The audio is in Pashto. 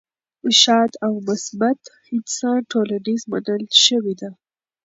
ښاد او مثبت انسان ټولنیز منل شوی دی.